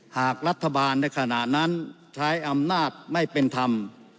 หากรัฐบาลในขณะนั้นใช้อำนาจไม่เป็นธรรม